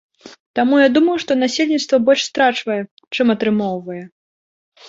Таму я думаю, што насельніцтва больш страчвае, чым атрымоўвае.